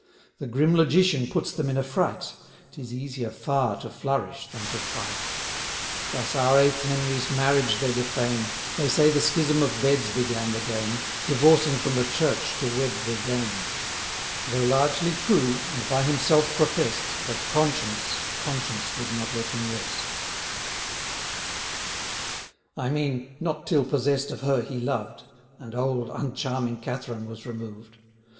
200 The grim logician puts them in a fright; 'Tis easier far to flourish than to fight. Thus our eighth Henry's marriage they defame; They say the schism of beds began the game, Divorcing from the Church to wed the dame: Though largely proved, and by himself profess'd, That conscience, conscience would not let him rest: I mean, not till possess'd of her he loved, And old, uncharming Catherine was removed.